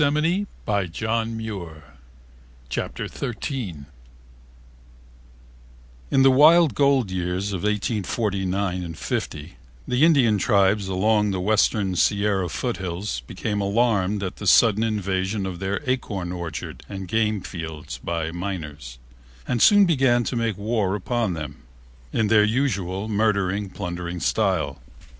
Chapter 13 Early History Of The Valley In the wild gold years of 1849 and '50, the Indian tribes along thus western Sierra foothills became alarmed at the sudden invasion of their acorn orchard and game fields by miners, and soon began to make war upon them, in their usual murdering, plundering style.